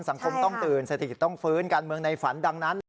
สังคมต้องตื่นเศรษฐกิจต้องฟื้นการเมืองในฝันดังนั้น